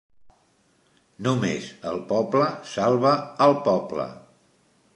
Només el poble salva al poble!